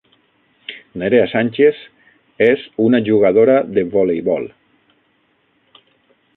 Nerea Sánchez és una jugadora de voleibol.